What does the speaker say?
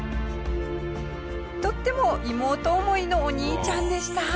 とっても妹思いのお兄ちゃんでした。